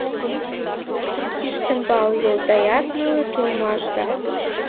Ӱштембал йолдаят нылыт улмаш да